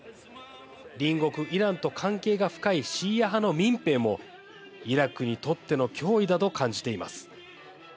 隣国イランと関係が深いシーア派の民兵もイラクにとっての脅威だと感じています。